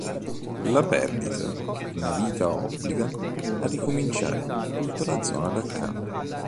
La perdita di una vita obbliga a ricominciare tutta la zona da capo.